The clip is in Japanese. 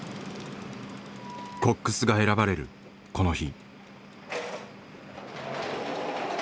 コックスが選ばれるこの日。